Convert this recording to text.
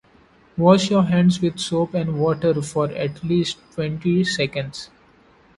Wash your hands with soap and water for at least twenty seconds.